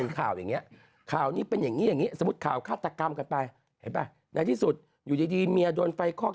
นางคิดแบบว่าไม่ไหวแล้วไปกด